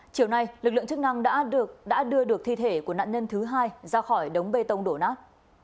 chiều nay lực lượng chức năng đã đưa được thi thể của nạn nhân thứ hai ra khỏi đống bê tông đổ nát